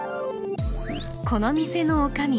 この店のおかみ